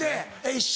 一緒？